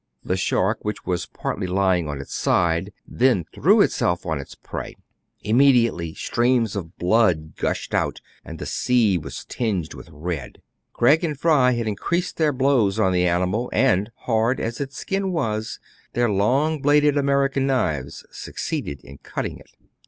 The shark, which was partly lying on its side, then threw itself on its prey. DANGERS OF CAPT, BOYTON'S APPARATUS. 241 Immediately strearqs of blood gushed out, and the sea was tinged with red. Craig and Fry had increased their blows on the animal ; and, hard as its skin was, their long bladed American knives succeeded in cutting it.